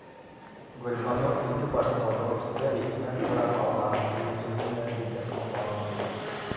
Гөлбаныу ике баш ҡорот, бер икмәк урап алған төйөнсөгө менән битен ҡапланы.